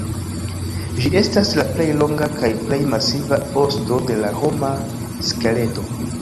Ĝi estas la plej longa kaj plej masiva osto de la homa skeleto.